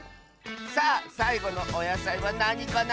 さあさいごのおやさいはなにかな？